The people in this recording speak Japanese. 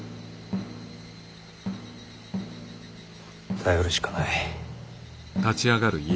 頼るしかない。